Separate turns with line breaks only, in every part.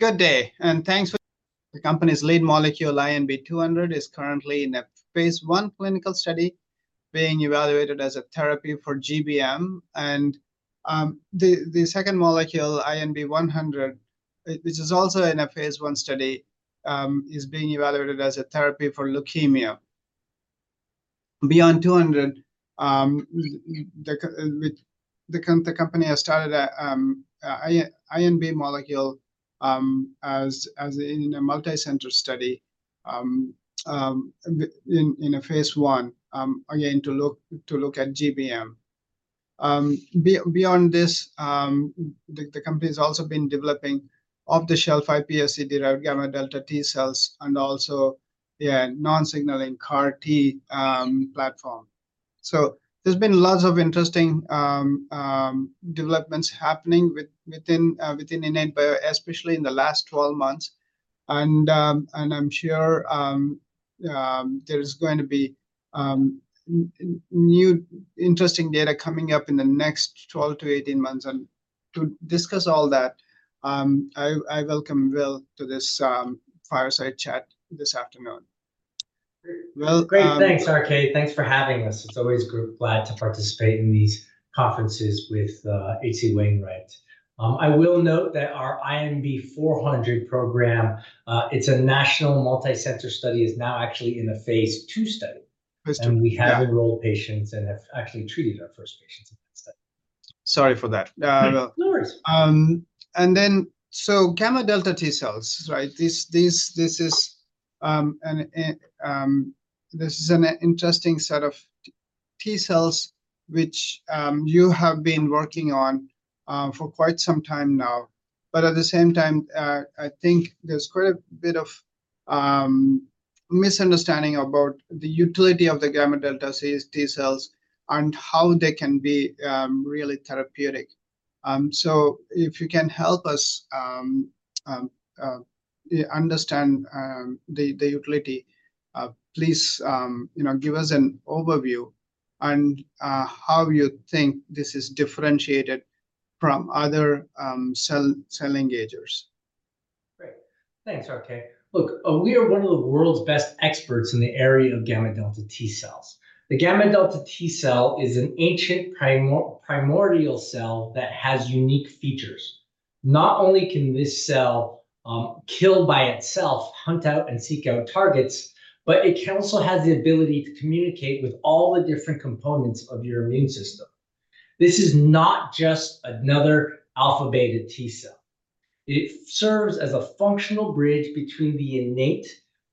Good day, and thanks for. The company's lead molecule, INB-200, is currently in a phase I clinical study, being evaluated as a therapy for GBM. The second molecule, INB-100, which is also in a phase I study, is being evaluated as a therapy for leukemia. Beyond 200, the company has started an INB molecule in a multicenter study in phase I, again, to look at GBM. Beyond this, the company has also been developing off-the-shelf iPSC derived gamma delta T cells and also a non-signaling CAR T platform. So there's been lots of interesting developments happening within IN8bio, especially in the last 12 months. I'm sure there's going to be new interesting data coming up in the next 12-18 months. To discuss all that, I welcome Will to this fireside chat this afternoon.
Great. Great. Thanks, RK. Thanks for having us. It's always glad to participate in these conferences with HC Wainwright. I will note that our INB-400 program, it's a national multicenter study, is now actually in a phase II study. We have enrolled patients and have actually treated our first patients in that study.
Sorry for that.
No worries.
And then, so gamma delta T cells, right? This is an interesting set of T cells, which you have been working on for quite some time now. But at the same time, I think there's quite a bit of misunderstanding about the utility of the gamma delta T cells and how they can be really therapeutic. So if you can help us understand the utility, please give us an overview and how you think this is differentiated from other cell engagers.
Great. Thanks, RK. Look, we are one of the world's best experts in the area of gamma delta T cells. The gamma delta T cell is an ancient primordial cell that has unique features. Not only can this cell kill by itself, hunt out, and seek out targets, but it also has the ability to communicate with all the different components of your immune system. This is not just another alpha beta T cell. It serves as a functional bridge between the innate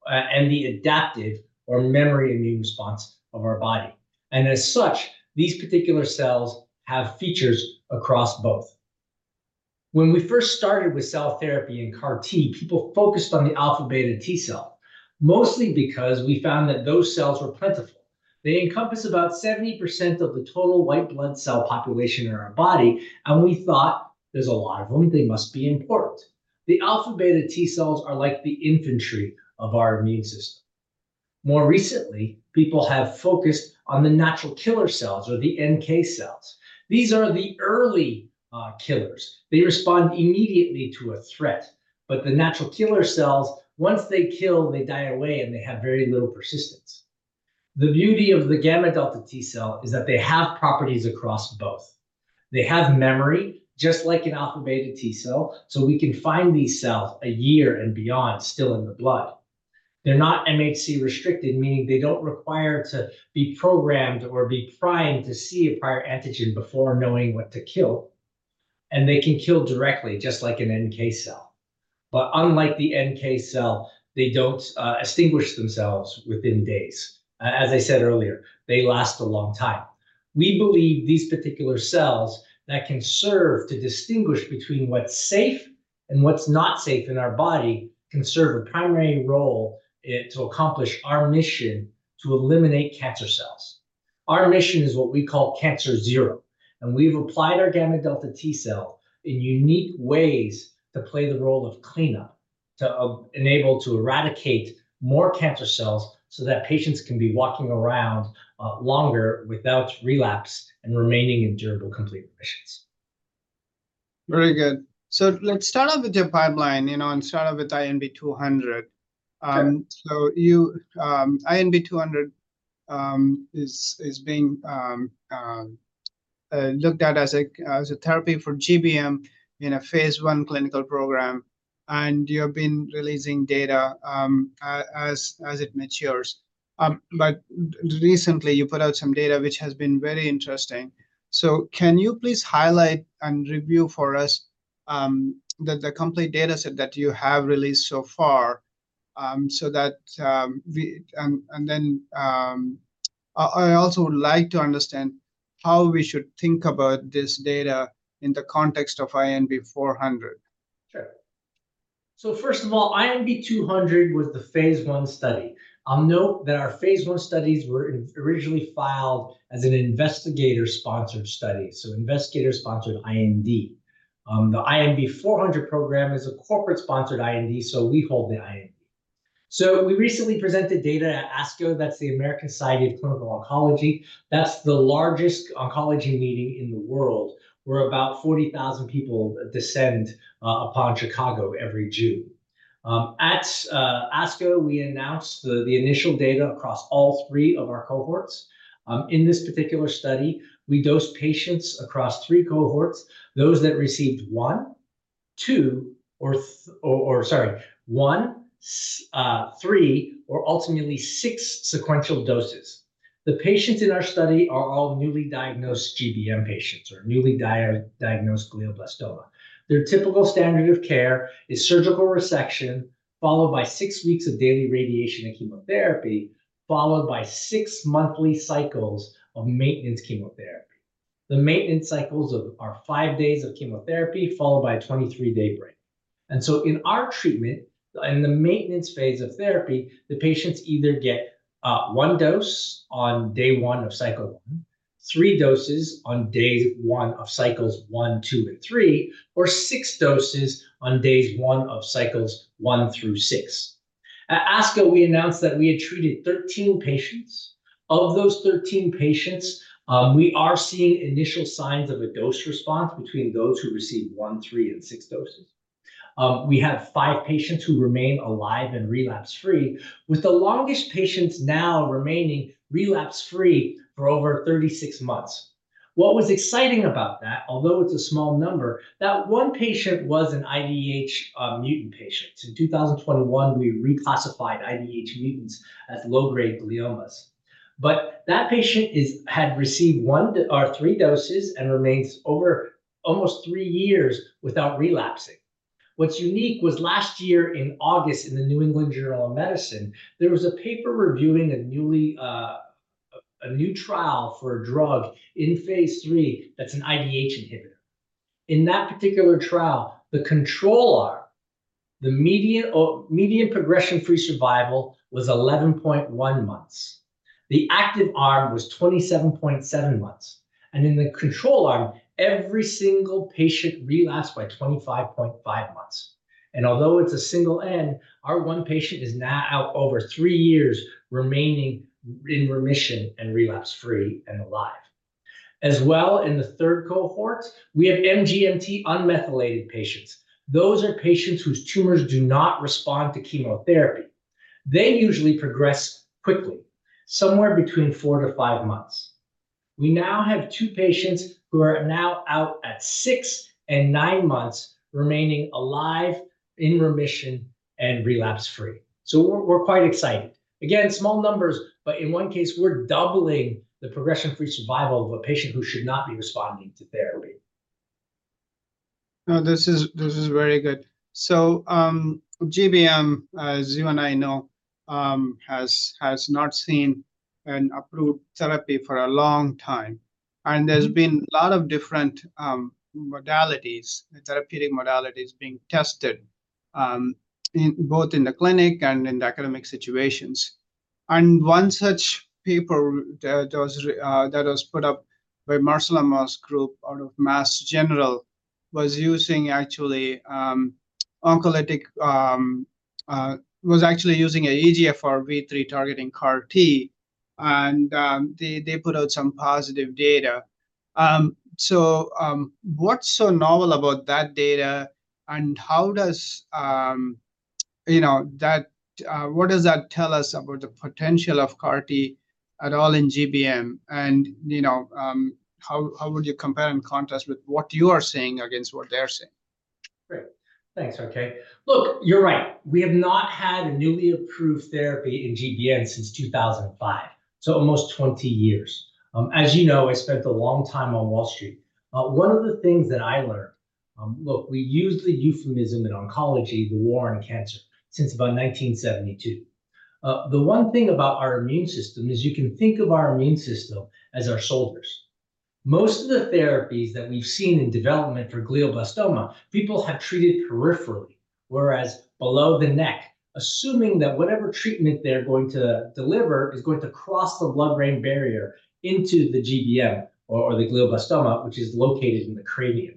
and the adaptive or memory immune response of our body. And as such, these particular cells have features across both. When we first started with cell therapy in CAR T, people focused on the alpha beta T cell, mostly because we found that those cells were plentiful. They encompass about 70% of the total white blood cell population in our body. And we thought, there's a lot of them. They must be important. The alpha beta T cells are like the infantry of our immune system. More recently, people have focused on the natural killer cells or the NK cells. These are the early killers. They respond immediately to a threat. But the natural killer cells, once they kill, they die away, and they have very little persistence. The beauty of the gamma delta T cell is that they have properties across both. They have memory, just like an alpha beta T cell. So we can find these cells a year and beyond still in the blood. They're not MHC-restricted, meaning they don't require to be programmed or be primed to see a prior antigen before knowing what to kill. And they can kill directly, just like an NK cell. But unlike the NK cell, they don't extinguish themselves within days. As I said earlier, they last a long time. We believe these particular cells that can serve to distinguish between what's safe and what's not safe in our body can serve a primary role to accomplish our mission to eliminate cancer cells. Our mission is what we call cancer zero. And we've applied our gamma delta T cell in unique ways to play the role of cleanup, to enable to eradicate more cancer cells so that patients can be walking around longer without relapse and remaining in durable complete remissions.
Very good. So let's start off with your pipeline and start off with INB-200. So INB-200 is being looked at as a therapy for GBM in a phase I clinical program. And you have been releasing data as it matures. But recently, you put out some data, which has been very interesting. So can you please highlight and review for us the complete data set that you have released so far so that we and then I also would like to understand how we should think about this data in the context of INB-400.
Sure. So first of all, INB-200 was the phase I study. I'll note that our phase I studies were originally filed as an investigator-sponsored study, so investigator-sponsored IND. The INB-400 program is a corporate-sponsored IND, so we hold the IND. So we recently presented data at ASCO. That's the American Society of Clinical Oncology. That's the largest oncology meeting in the world, where about 40,000 people descend upon Chicago every June. At ASCO, we announced the initial data across all 3 of our cohorts. In this particular study, we dosed patients across 3 cohorts, those that received 1, 2, or sorry, 1, 3, or ultimately 6 sequential doses. The patients in our study are all newly diagnosed GBM patients or newly diagnosed glioblastoma. Their typical standard of care is surgical resection followed by 6 weeks of daily radiation and chemotherapy, followed by 6 monthly cycles of maintenance chemotherapy. The maintenance cycles are 5 days of chemotherapy followed by a 23-day break. So in our treatment and the maintenance phase of therapy, the patients either get 1 dose on day 1 of cycle 1, 3 doses on day 1 of cycles 1, 2, and 3, or 6 doses on days 1 of cycles 1 through 6. At ASCO, we announced that we had treated 13 patients. Of those 13 patients, we are seeing initial signs of a dose response between those who received 1, 3, and 6 doses. We have 5 patients who remain alive and relapse-free, with the longest patients now remaining relapse-free for over 36 months. What was exciting about that, although it's a small number, that one patient was an IDH mutant patient. In 2021, we reclassified IDH mutants as low-grade gliomas. That patient had received 1 or 3 doses and remained almost 3 years without relapsing. What's unique was last year in August in The New England Journal of Medicine, there was a paper reviewing a new trial for a drug in phase III that's an IDH inhibitor. In that particular trial, the control arm, the median progression-free survival was 11.1 months. The active arm was 27.7 months. In the control arm, every single patient relapsed by 25.5 months. Although it's a single N, our one patient is now out over 3 years remaining in remission and relapse-free and alive. As well, in the third cohort, we have MGMT unmethylated patients. Those are patients whose tumors do not respond to chemotherapy. They usually progress quickly, somewhere between 4 to 5 months. We now have 2 patients who are now out at 6 and 9 months remaining alive, in remission, and relapse-free. So we're quite excited. Again, small numbers, but in 1 case, we're doubling the progression-free survival of a patient who should not be responding to therapy.
This is very good. So GBM, as you and I know, has not seen an approved therapy for a long time. And there's been a lot of different modalities, therapeutic modalities being tested both in the clinic and in the academic situations. And one such paper that was put up by Marcela Maus's group out of Mass General was actually using an EGFRvIII targeting CAR T. And they put out some positive data. So what's so novel about that data? And what does that tell us about the potential of CAR T at all in GBM? And how would you compare and contrast with what you are seeing against what they're seeing?
Great. Thanks, RK. Look, you're right. We have not had a newly approved therapy in GBM since 2005, so almost 20 years. As you know, I spent a long time on Wall Street. One of the things that I learned, look, we use the euphemism in oncology, the war on cancer, since about 1972. The one thing about our immune system is you can think of our immune system as our shoulders. Most of the therapies that we've seen in development for glioblastoma, people have treated peripherally, whereas below the neck, assuming that whatever treatment they're going to deliver is going to cross the blood-brain barrier into the GBM or the glioblastoma, which is located in the cranium.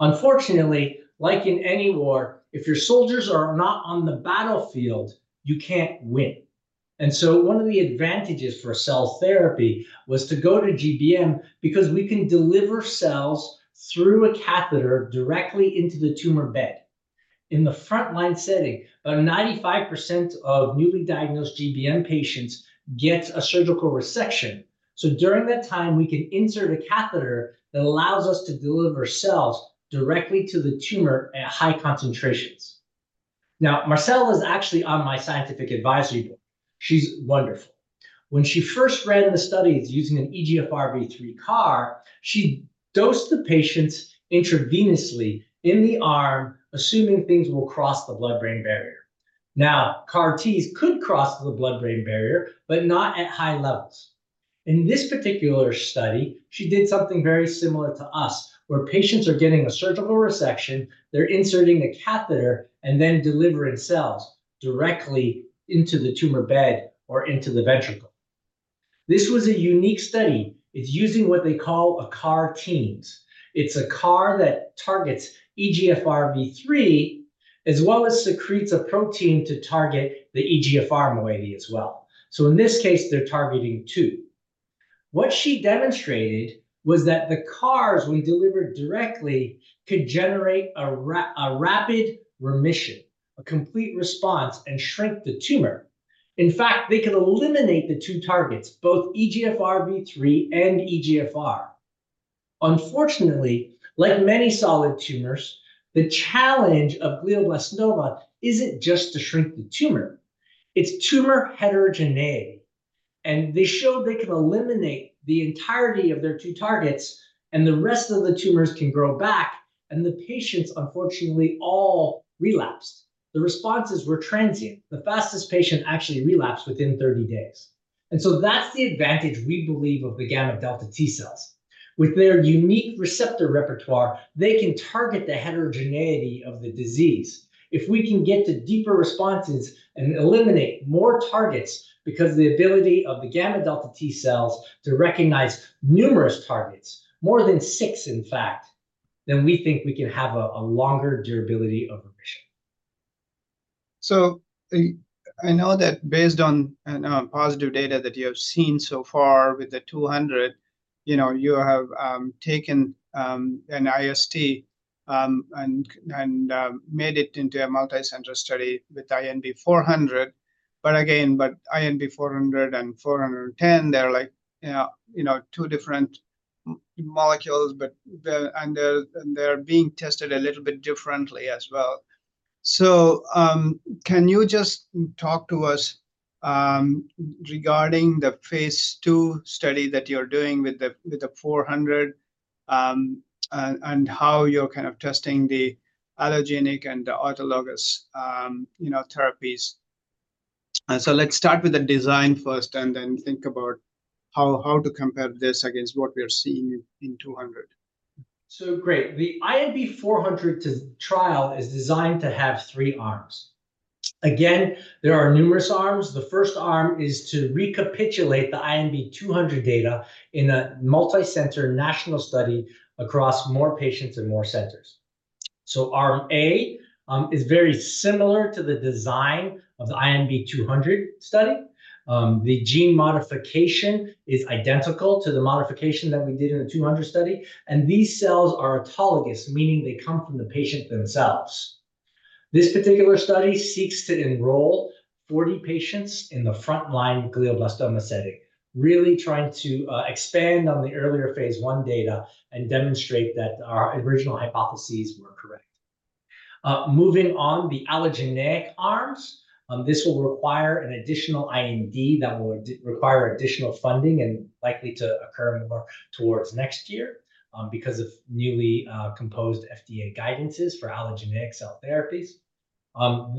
Unfortunately, like in any war, if your soldiers are not on the battlefield, you can't win. One of the advantages for cell therapy was to go to GBM because we can deliver cells through a catheter directly into the tumor bed. In the frontline setting, about 95% of newly diagnosed GBM patients get a surgical resection. During that time, we can insert a catheter that allows us to deliver cells directly to the tumor at high concentrations. Now, Marcela is actually on my scientific advisory board. She's wonderful. When she first ran the studies using an EGFRvIII CAR, she dosed the patients intravenously in the arm, assuming things will cross the blood-brain barrier. Now, CAR-Ts could cross the blood-brain barrier, but not at high levels. In this particular study, she did something very similar to us, where patients are getting a surgical resection, they're inserting a catheter, and then delivering cells directly into the tumor bed or into the ventricle. This was a unique study. It's using what they call a CAR-T cells. It's a CAR that targets EGFRvIII, as well as secretes a protein to target the EGFR moiety as well. So in this case, they're targeting two. What she demonstrated was that the CARs we delivered directly could generate a rapid remission, a complete response, and shrink the tumor. In fact, they could eliminate the two targets, both EGFRvIII and EGFR. Unfortunately, like many solid tumors, the challenge of glioblastoma isn't just to shrink the tumor. It's tumor heterogeneity. And they showed they could eliminate the entirety of their two targets, and the rest of the tumors can grow back. And the patients, unfortunately, all relapsed. The responses were transient. The fastest patient actually relapsed within 30 days. And so that's the advantage we believe of the gamma delta T cells. With their unique receptor repertoire, they can target the heterogeneity of the disease. If we can get to deeper responses and eliminate more targets because of the ability of the gamma delta T cells to recognize numerous targets, more than six, in fact, then we think we can have a longer durability of remission.
So I know that based on positive data that you have seen so far with the 200, you have taken an IST and made it into a multicenter study with INB-400. But again, INB-400 and 410, they're like two different molecules, and they're being tested a little bit differently as well. So can you just talk to us regarding the phase II study that you're doing with the 400 and how you're kind of testing the allogeneic and the autologous therapies? So let's start with the design first and then think about how to compare this against what we are seeing in 200.
So great. The INB-400 trial is designed to have three arms. Again, there are numerous arms. The first arm is to recapitulate the INB-200 data in a multicenter national study across more patients and more centers. So arm A is very similar to the design of the INB-200 study. The gene modification is identical to the modification that we did in the INB-200 study. And these cells are autologous, meaning they come from the patient themselves. This particular study seeks to enroll 40 patients in the frontline glioblastoma setting, really trying to expand on the earlier phase I data and demonstrate that our original hypotheses were correct. Moving on, the allogeneic arms, this will require an additional IND that will require additional funding and likely to occur more towards next year because of newly composed FDA guidances for allogeneic cell therapies.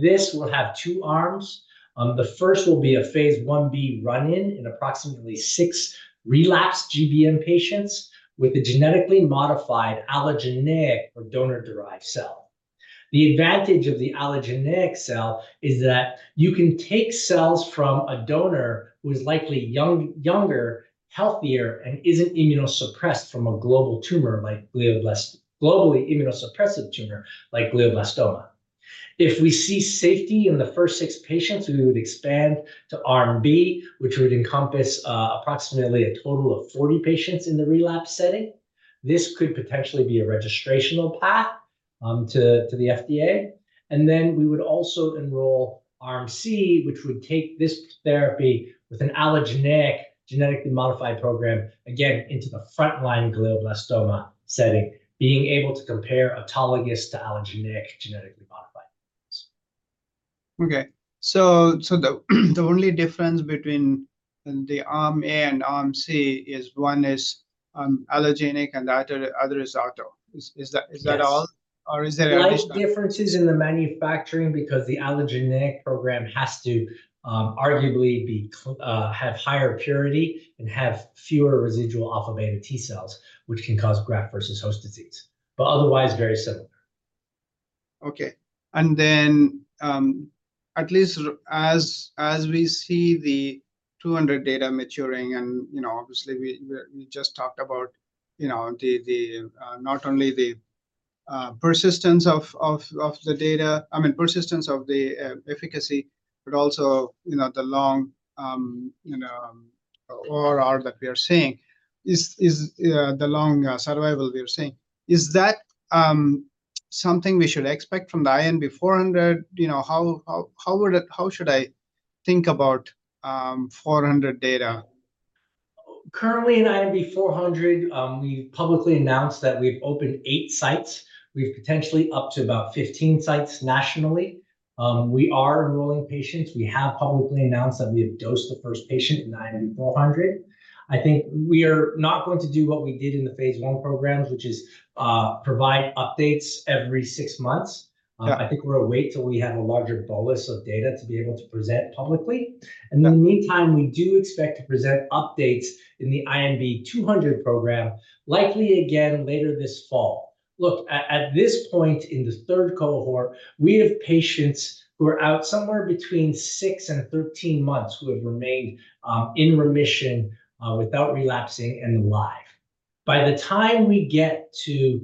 This will have two arms. The first will be a phase IB run-in in approximately 6 relapsed GBM patients with a genetically modified allogeneic or donor-derived cell. The advantage of the allogeneic cell is that you can take cells from a donor who is likely younger, healthier, and isn't immunosuppressed from a globally immunosuppressive tumor like glioblastoma. If we see safety in the first 6 patients, we would expand to arm B, which would encompass approximately a total of 40 patients in the relapse setting. This could potentially be a registrational path to the FDA. And then we would also enroll arm C, which would take this therapy with an allogeneic genetically modified program, again, into the frontline glioblastoma setting, being able to compare autologous to allogeneic genetically modified.
Okay. So the only difference between the arm A and arm C is one is allogeneic and the other is auto. Is that all? Or is there?
There are differences in the manufacturing because the allogeneic program has to arguably have higher purity and have fewer residual alpha beta T cells, which can cause graft-versus-host disease. But otherwise, very similar.
Okay. And then at least as we see the 200 data maturing, and obviously, we just talked about not only the persistence of the data, I mean, persistence of the efficacy, but also the long ORR that we are seeing, the long survival we are seeing. Is that something we should expect from the INB-400? How should I think about INB-400 data?
Currently, in INB-400, we've publicly announced that we've opened 8 sites. We've potentially up to about 15 sites nationally. We are enrolling patients. We have publicly announced that we have dosed the first patient in INB-400. I think we are not going to do what we did in the phase I programs, which is provide updates every 6 months. I think we're going to wait till we have a larger bolus of data to be able to present publicly. And in the meantime, we do expect to present updates in the INB-200 program, likely again later this fall. Look, at this point in the third cohort, we have patients who are out somewhere between 6 and 13 months who have remained in remission without relapsing and alive. By the time we get to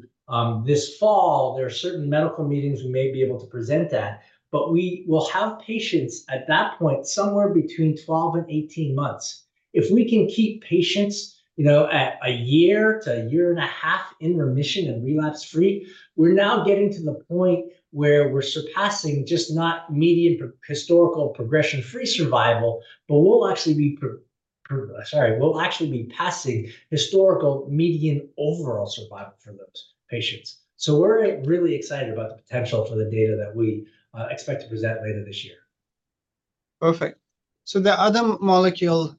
this fall, there are certain medical meetings we may be able to present at, but we will have patients at that point somewhere between 12 and 18 months. If we can keep patients a year to a year and a half in remission and relapse-free, we're now getting to the point where we're surpassing just not median historical progression-free survival, but we'll actually be sorry, we'll actually be passing historical median overall survival for those patients. So we're really excited about the potential for the data that we expect to present later this year.
Perfect. So the other molecule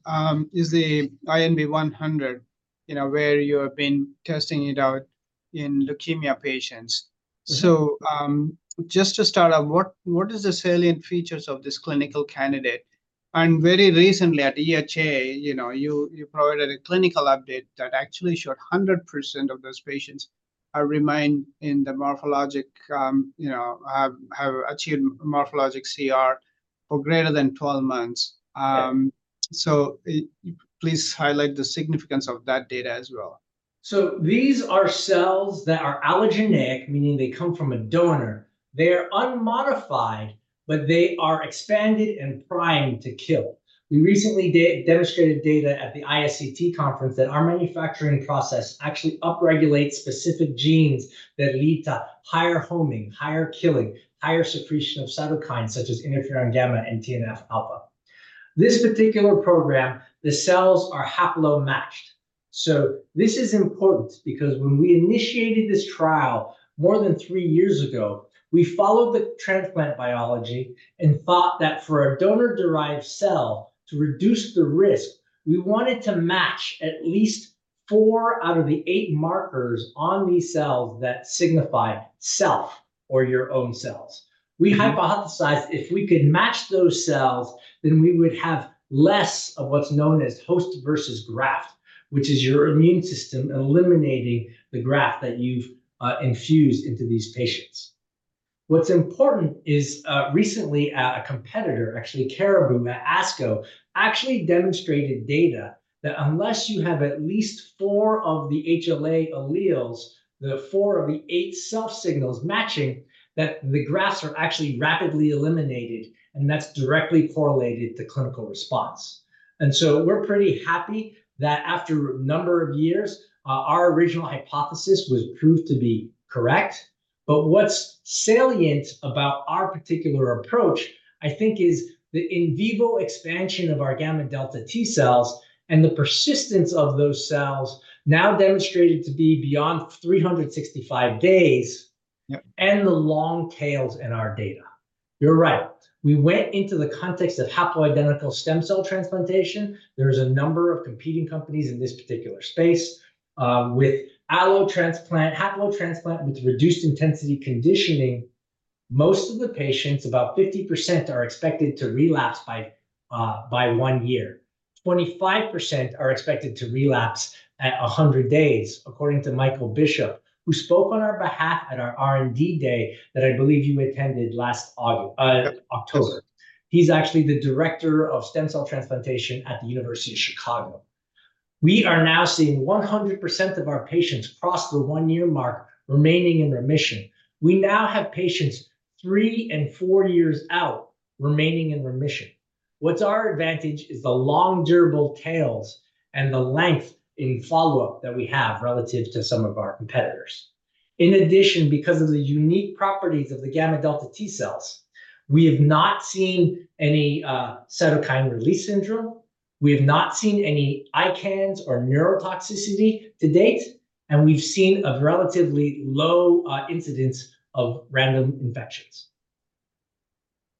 is the INB-100, where you have been testing it out in leukemia patients. So just to start off, what is the salient features of this clinical candidate? And very recently at EHA, you provided a clinical update that actually showed 100% of those patients remain in the morphologic have achieved morphologic CR for greater than 12 months. So please highlight the significance of that data as well.
So these are cells that are allogeneic, meaning they come from a donor. They are unmodified, but they are expanded and primed to kill. We recently demonstrated data at the ISCT conference that our manufacturing process actually upregulates specific genes that lead to higher homing, higher killing, higher secretion of cytokines such as interferon gamma and TNF alpha. This particular program, the cells are haplo-matched. So this is important because when we initiated this trial more than three years ago, we followed the transplant biology and thought that for a donor-derived cell to reduce the risk, we wanted to match at least four out of the eight markers on these cells that signify self or your own cells. We hypothesized if we could match those cells, then we would have less of what's known as host-versus-graft, which is your immune system eliminating the graft that you've infused into these patients. What's important is recently a competitor, actually Caribou, ASCO, actually demonstrated data that unless you have at least 4 of the HLA alleles, the 4 of the 8 self signals matching, that the grafts are actually rapidly eliminated, and that's directly correlated to clinical response. And so we're pretty happy that after a number of years, our original hypothesis was proved to be correct. But what's salient about our particular approach, I think, is the in vivo expansion of our gamma-delta T cells and the persistence of those cells now demonstrated to be beyond 365 days and the long tails in our data. You're right. We went into the context of haplo-identical stem cell transplantation. There is a number of competing companies in this particular space with allotransplant, haplotransplant with reduced intensity conditioning. Most of the patients, about 50%, are expected to relapse by 1 year. 25% are expected to relapse at 100 days, according to Michael Bishop, who spoke on our behalf at our R&D day that I believe you attended last October. He's actually the director of stem cell transplantation at the University of Chicago. We are now seeing 100% of our patients cross the 1-year mark remaining in remission. We now have patients 3 and 4 years out remaining in remission. What's our advantage is the long durable tails and the length in follow-up that we have relative to some of our competitors. In addition, because of the unique properties of the gamma delta T cells, we have not seen any cytokine release syndrome. We have not seen any ICANS or neurotoxicity to date. We've seen a relatively low incidence of random infections.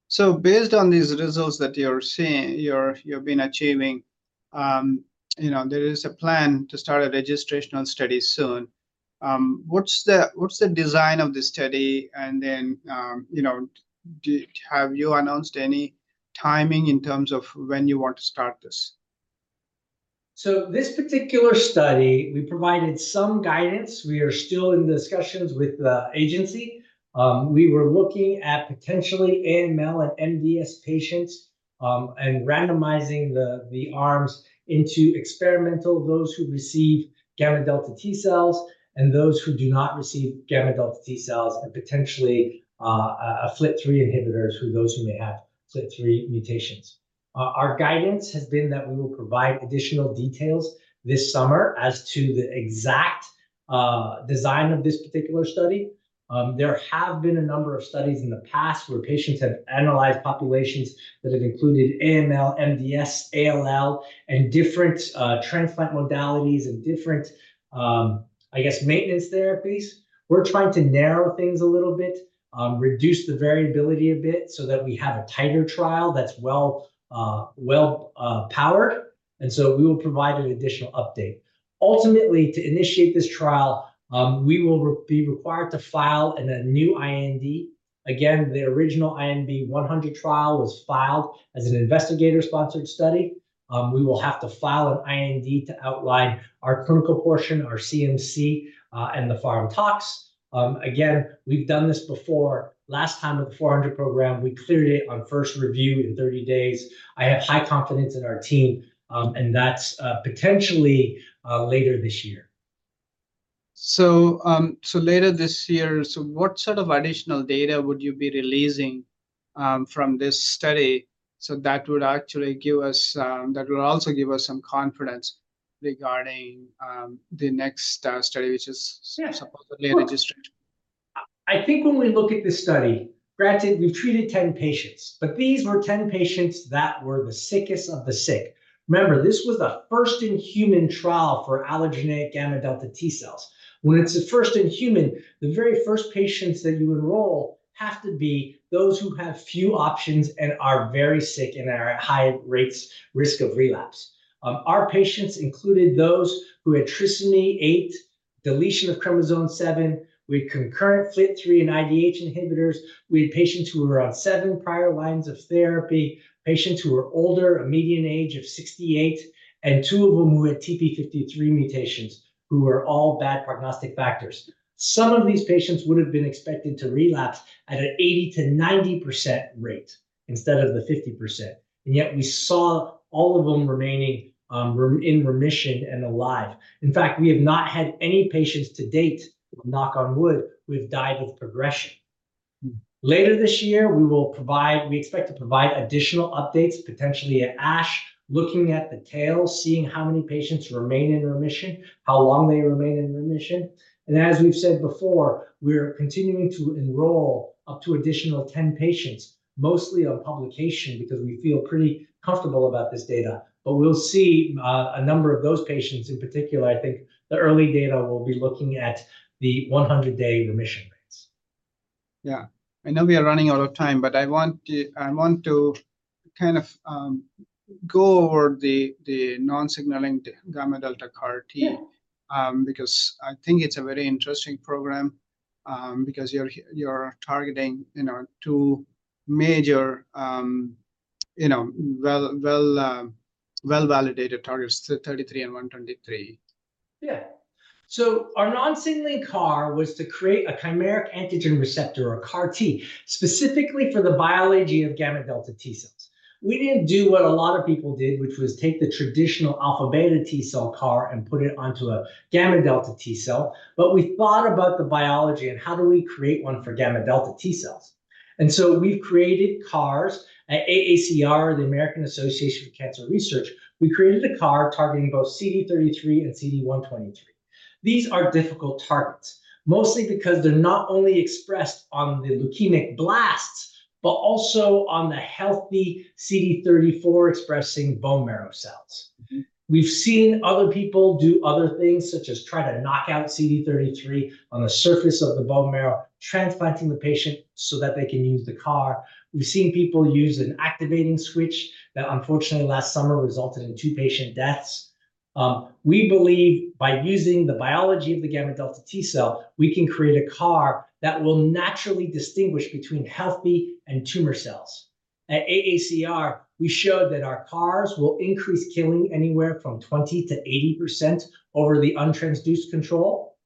So based on these results that you're seeing, you've been achieving, there is a plan to start a registrational study soon. What's the design of the study? And then have you announced any timing in terms of when you want to start this?
So this particular study, we provided some guidance. We are still in discussions with the agency. We were looking at potentially AML and MDS patients and randomizing the arms into experimental those who receive gamma delta T cells and those who do not receive gamma delta T cells and potentially a FLT3 inhibitor for those who may have FLT3 mutations. Our guidance has been that we will provide additional details this summer as to the exact design of this particular study. There have been a number of studies in the past where patients have analyzed populations that have included AML, MDS, ALL, and different transplant modalities and different, I guess, maintenance therapies. We're trying to narrow things a little bit, reduce the variability a bit so that we have a tighter trial that's well-powered. And so we will provide an additional update. Ultimately, to initiate this trial, we will be required to file a new IND. Again, the original INB-100 trial was filed as an investigator-sponsored study. We will have to file an IND to outline our clinical portion, our CMC, and the Pharm/Tox. Again, we've done this before. Last time with the INB-400 program, we cleared it on first review in 30 days. I have high confidence in our team, and that's potentially later this year.
Later this year, what sort of additional data would you be releasing from this study so that would actually give us that would also give us some confidence regarding the next study, which is supposedly registrational?
I think when we look at this study, granted, we've treated 10 patients, but these were 10 patients that were the sickest of the sick. Remember, this was the first in human trial for allogeneic gamma delta T cells. When it's the first in human, the very first patients that you enroll have to be those who have few options and are very sick and are at high risk of relapse. Our patients included those who had trisomy 8, deletion of chromosome 7. We had concurrent FLT3 and IDH inhibitors. We had patients who were on 7 prior lines of therapy, patients who were older, a median age of 68, and 2 of them who had TP53 mutations who were all bad prognostic factors. Some of these patients would have been expected to relapse at an 80%-90% rate instead of the 50%. And yet we saw all of them remaining in remission and alive. In fact, we have not had any patients to date, knock on wood, who have died with progression. Later this year, we expect to provide additional updates, potentially at ASH, looking at the tails, seeing how many patients remain in remission, how long they remain in remission. And as we've said before, we're continuing to enroll up to additional 10 patients, mostly on publication because we feel pretty comfortable about this data. But we'll see a number of those patients in particular. I think the early data will be looking at the 100-day remission rates.
Yeah. I know we are running out of time, but I want to kind of go over the non-signaling gamma delta CAR-T because I think it's a very interesting program because you're targeting two major well-validated targets, CD33 and CD123.
Yeah. So our non-signaling CAR was to create a chimeric antigen receptor or CAR-T specifically for the biology of gamma delta T cells. We didn't do what a lot of people did, which was take the traditional alpha beta T cell CAR and put it onto a gamma delta T cell. But we thought about the biology and how do we create one for gamma delta T cells. And so we've created CARs at AACR, the American Association for Cancer Research. We created a CAR targeting both CD33 and CD123. These are difficult targets, mostly because they're not only expressed on the leukemic blasts, but also on the healthy CD34 expressing bone marrow cells. We've seen other people do other things such as try to knock out CD33 on the surface of the bone marrow, transplanting the patient so that they can use the CAR. We've seen people use an activating switch that unfortunately last summer resulted in 2 patient deaths. We believe by using the biology of the gamma delta T cell, we can create a CAR that will naturally distinguish between healthy and tumor cells. At AACR, we showed that our CARs will increase killing anywhere from 20%-80% over the untransduced control.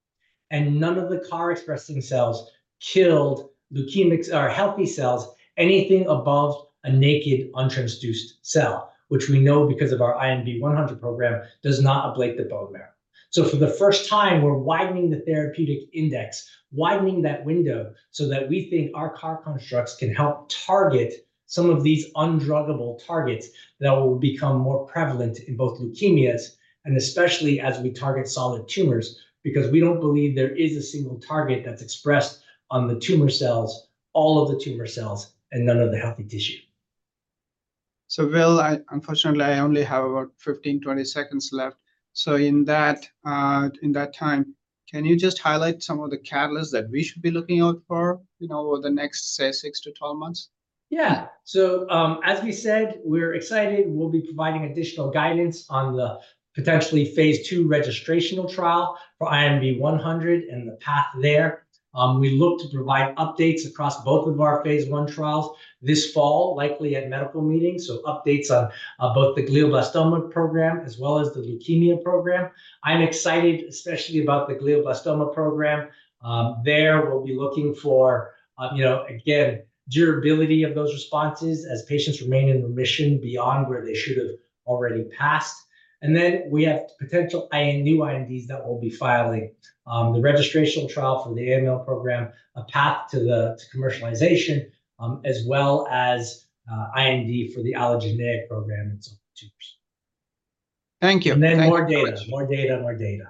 And none of the CAR expressing cells killed leukemic or healthy cells anything above a naked untransduced cell, which we know because of our INB-100 program does not ablate the bone marrow. So for the first time, we're widening the therapeutic index, widening that window so that we think our CAR constructs can help target some of these undruggable targets that will become more prevalent in both leukemias and especially as we target solid tumors because we don't believe there is a single target that's expressed on the tumor cells, all of the tumor cells, and none of the healthy tissue.
So Will, unfortunately, I only have about 15, 20 seconds left. In that time, can you just highlight some of the catalysts that we should be looking out for over the next, say, 6 to 12 months?
Yeah. So as we said, we're excited. We'll be providing additional guidance on the potential phase II registrational trial for INB-100 and the path there. We look to provide updates across both of our phase I trials this fall, likely at medical meetings. So updates on both the glioblastoma program as well as the leukemia program. I'm excited especially about the glioblastoma program. There we'll be looking for, again, durability of those responses as patients remain in remission beyond where they should have already passed. And then we have potential new INDs that we'll be filing, the registrational trial for the AML program, a path to commercialization, as well as IND for the allogeneic program and so on.
Thank you.
And then more data, more data, more data.